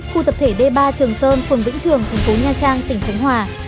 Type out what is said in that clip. khu tập thể d ba trường sơn phường vĩnh trường thành phố nha trang tỉnh khánh hòa